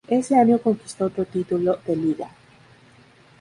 Ese año conquistó otro título de Liga.